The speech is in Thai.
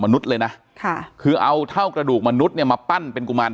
เลยนะค่ะคือเอาเท่ากระดูกมนุษย์เนี่ยมาปั้นเป็นกุมาร